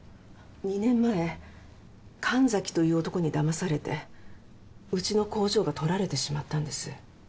２年前神崎という男にだまされてうちの工場が取られてしまったんです。